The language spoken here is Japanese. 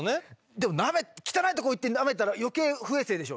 でも汚いとこ行ってなめたら余計不衛生でしょ。